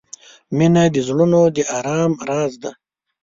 • مینه د زړونو د آرام راز دی.